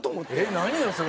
何よそれ。